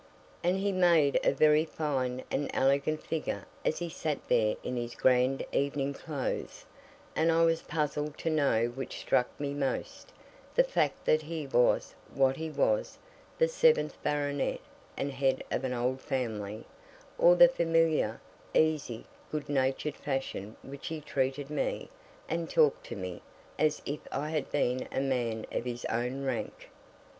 And he made a very fine and elegant figure as he sat there in his grand evening clothes, and I was puzzled to know which struck me most the fact that he was what he was, the seventh baronet and head of an old family, or the familiar, easy, good natured fashion which he treated me, and talked to me, as if I had been a man of his own rank.